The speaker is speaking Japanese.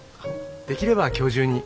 できれば今日中に。